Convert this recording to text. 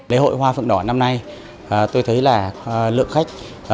lễ hội hoa phượng đỏ năm nay tôi thấy là lượng khách